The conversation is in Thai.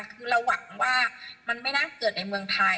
คือเราหวังว่ามันไม่น่าเกิดในเมืองไทย